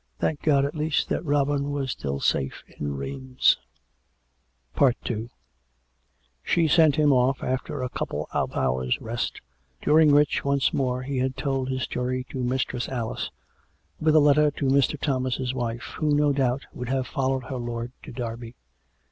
Thank God, at least, that Robin was still safe in Rheims! COME RACK! COME ROPE! 219 II She sent him off after a couple of hours' rest, during which once more he had told his story to Mistress Alice, with a letter to Mr. Thomas's wife, who, no doubt, would have followed her lord to Derby.